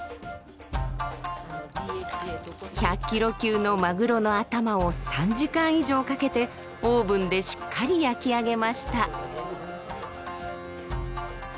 １００キロ級のマグロの頭を３時間以上かけてオーブンでしっかり焼き上げました。